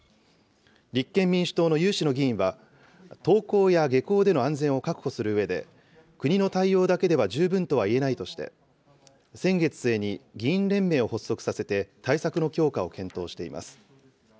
立憲民主党の有志の議員は、登校や下校での安全を確保するうえで、国の対応だけでは十分とはいえないとして、先月末に、議員連盟を発足させて、対策の強化を検討しています。